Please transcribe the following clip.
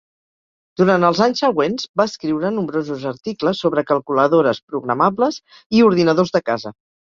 Durant els anys següents va escriure nombrosos articles sobre calculadores programables i ordinadors de casa.